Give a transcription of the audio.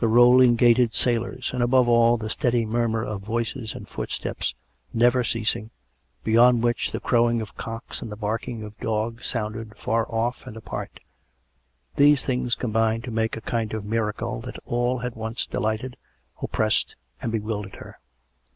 rolling gaited sailors; and, above all, the steady murmur of voices and footsteps, never ceasing, beyond which the crow ing of cocks and the barking of dogs sounded far off and apart — these things combined to make a kind of miracle that all at once delighted, oppressed and bewildered her.